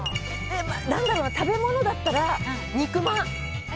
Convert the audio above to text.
何だろう、食べ物だったら肉まん！